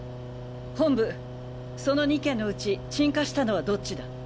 本部その２件のうち鎮火したのはどっちだ？